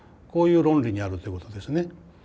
こういう論理にあるということですね。